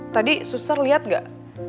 tadi suster liat nggak